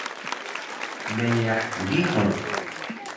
Meyah bgihur